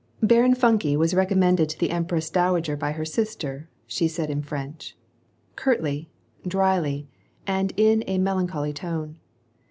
" Baron Funke was recommended to the Empress Dowager by her sister," said she in French, curtly, dryly, and in a mel ancholy tone.